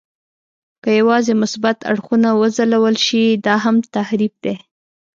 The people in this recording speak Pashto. که یوازې مثبت اړخونه وځلول شي، دا هم تحریف دی.